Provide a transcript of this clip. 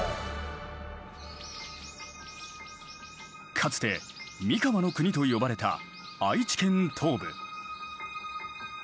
かつて「三河国」と呼ばれた愛知県東部。